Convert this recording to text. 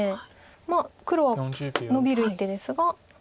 まあ黒はノビる一手ですが。